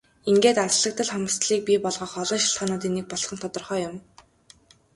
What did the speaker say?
Ингээд алслагдал хомсдолыг бий болгох олон шалтгаануудын нэг болох нь тодорхой юм.